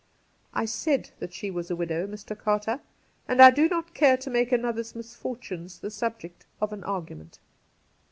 ' I said that she was a widow, Mr. Carter, and I do not care to make another's misfortunes the subject of an argument.'